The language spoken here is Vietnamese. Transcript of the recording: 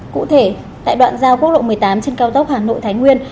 cụ thể tại đoạn giao quốc lộ một mươi tám trên cao tốc hà nội thái nguyên